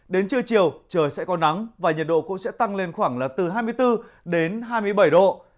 đến trưa chiều trời sẽ có nắng và nhiệt độ cũng sẽ tăng lên khoảng là từ hai mươi bốn đến hai mươi bảy độ